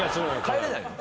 帰れないの？